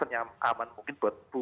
yang aman mungkin buat bu